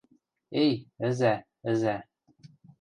Эй, ӹзӓ, ӹзӓ.